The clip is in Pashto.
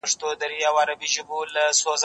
زه اوږده وخت سبا ته فکر کوم،